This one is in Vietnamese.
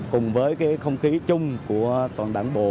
cùng với cái không khí chung của toàn đảng bộ